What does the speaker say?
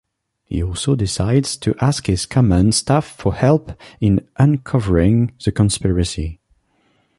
He also decides to ask his command staff for help in uncovering the conspiracy.